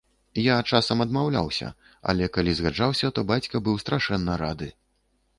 Я часам адмаўляўся, але калі згаджаўся, то бацька быў страшэнна рады.